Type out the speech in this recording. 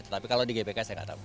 tapi kalau di gbk saya nggak tahu